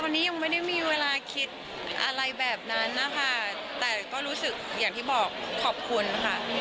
ตอนนี้ยังไม่ได้มีเวลาคิดอะไรแบบนั้นนะคะแต่ก็รู้สึกอย่างที่บอกขอบคุณค่ะ